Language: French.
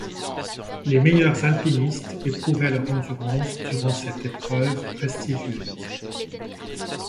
Les meilleurs alpinistes éprouvaient leur endurance durant cette épreuve prestigieuse.